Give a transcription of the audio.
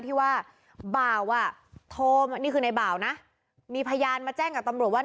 ที่ว่าบ่าวอ่ะโทรมานี่คือในบ่าวนะมีพยานมาแจ้งกับตำรวจว่า